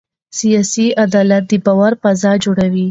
سیاسي عدالت د باور فضا جوړوي